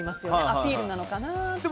アピールなのかなって。